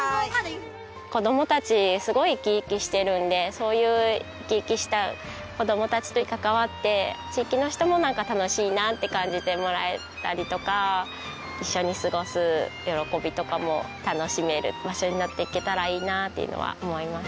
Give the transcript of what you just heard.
子どもたちすごく生き生きしてるんでそういう生き生きした子どもたちと関わって地域の人もなんか楽しいなって感じてもらえたりとか一緒に過ごす喜びとかも楽しめる場所になっていけたらいいなっていうのは思います。